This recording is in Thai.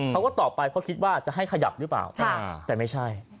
เขาก็ตอบไปเพราะคิดว่าจะให้ขยับหรือเปล่าแต่ไม่ใช่